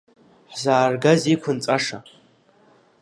Ҳзааргазеи иқәынҵәаша?